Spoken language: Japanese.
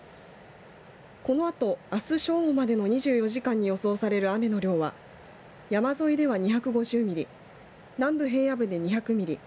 このあと、あす正午までの２４時間に予想される雨の量は山沿いでは２５０ミリ南部平野部で２００ミリ